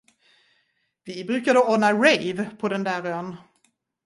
Vi brukade ordna rave på den där ön.